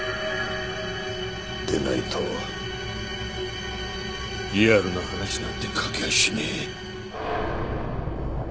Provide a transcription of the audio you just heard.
でないとリアルな話なんて書けやしねえ